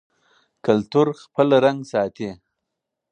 کلتور خپل رنګ ساتي.